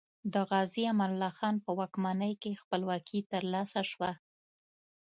د غازي امان الله خان په واکمنۍ کې خپلواکي تر لاسه شوه.